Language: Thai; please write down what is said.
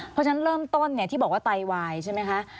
เพราะฉะนั้นเริ่มต้นที่บอกว่าไตวายใช่ไหมคะ